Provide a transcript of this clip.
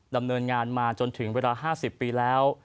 ดำเนินงานมาจนถึงเวลา๕๐ปีแล้ว